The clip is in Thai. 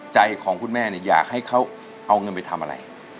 ใจของคุณแม่อยากให้เขาเอาเงินไปทำอะไร